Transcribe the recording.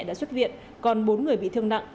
đã xuất viện còn bốn người bị thương nặng